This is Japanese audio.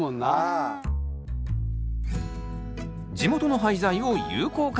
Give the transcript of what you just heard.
地元の廃材を有効活用。